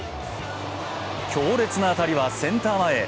強烈な当たりはセンター前へ。